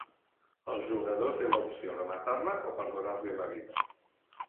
El jugador té l'opció de matar-la o perdonar-li la vida.